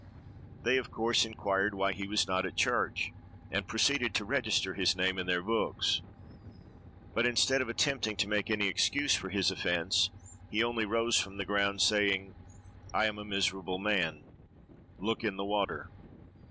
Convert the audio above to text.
They, of course, inquired why he was not at church, and proceeded to register his name in their books, but, instead of attempting to make any excuse for his offence, he only rose from the ground, saying, "I am a miserable man; look in the water!"